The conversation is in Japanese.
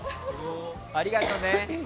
ありがとうね。